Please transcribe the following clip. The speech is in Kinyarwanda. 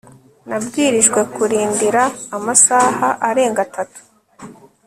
nabwirijwe kurindira amasaha arenga atatu